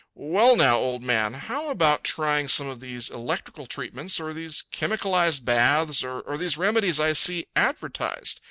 "Well now, old man, how about trying some of these electrical treatments or these chemicalized baths or these remedies I see advertised?